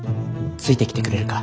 ついてきてくれるか。